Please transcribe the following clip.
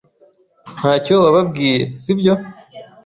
Ntacyo wababwiye, si byo?